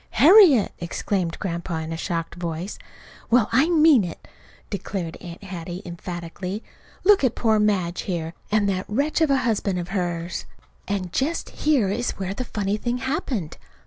"Harriet!" exclaimed Grandpa in a shocked voice. "Well, I mean it!" declared Aunt Hattie emphatically. "Look at poor Madge here, and that wretch of a husband of hers!" And just here is where the funny thing happened.